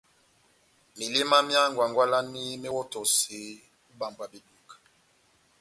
Meléma myá ngwangwalani méwɔtɔseni o ibambwa beduka.